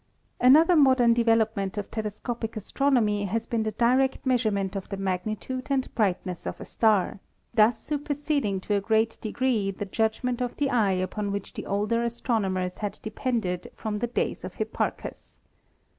Another modern development of telescopic astronomy has been the direct measurement of the magnitude and brightness of a star, thus superseding to a great degree the judgment of the eye upon which the older astronomers had depended from the days of Hipparchus.